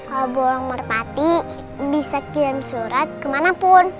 kalau bawang merpati bisa kirim surat kemanapun